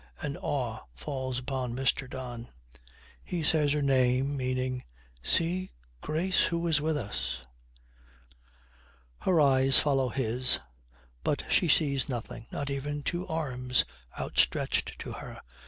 An awe falls upon Mr. Don. He says her name, meaning, 'See, Grace, who is with us.' Her eyes follow his, but she sees nothing, not even two arms outstretched to her.